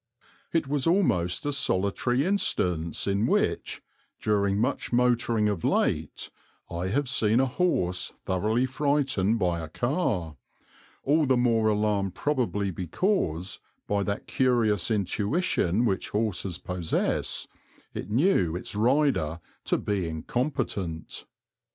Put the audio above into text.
It was almost a solitary instance in which, during much motoring of late, I have seen a horse thoroughly frightened by a car, all the more alarmed probably because, by that curious intuition which horses possess, it knew its rider to be incompetent.